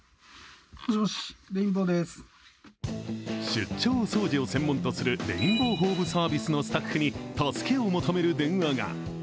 出張お掃除を専門とするレインボウホームサービスのスタッフに助けを求める電話が。